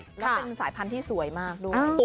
และเป็นสายพันธุ์ที่สวยมากด้วย